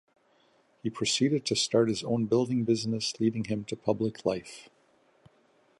He proceeded to start his own building business leading him to public life.